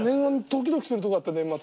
ドキドキするとこだった年末。